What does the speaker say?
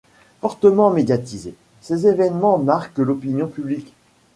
Fortement médiatisés, ces évènements marquent l'opinion publique.